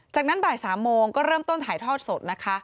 จากนั้นบ่าย๓โมงก็เริ่มต้นถ่ายทอดสดนะคะ